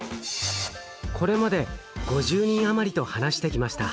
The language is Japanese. これまで５０人余りと話してきました。